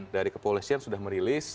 dari kepolisian sudah merilis